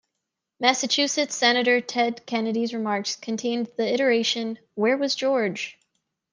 Massachusetts senator Ted Kennedy's remarks contained the iteration Where was George?